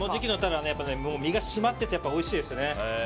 やっぱ身が締まってておいしいですね。